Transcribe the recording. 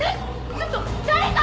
ちょっと誰か！